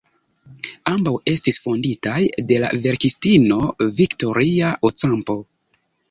Ambaŭ estis fonditaj de la verkistino Victoria Ocampo.